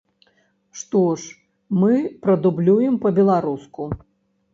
Што ж мы прадублюем па-беларуску.